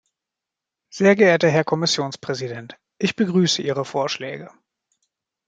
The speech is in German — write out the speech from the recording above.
Sehr geehrter Herr Kommissionspräsident, ich begrüße Ihre Vorschläge.